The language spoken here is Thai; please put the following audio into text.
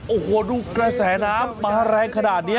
โอ้โหดูกระแสน้ำมาแรงขนาดนี้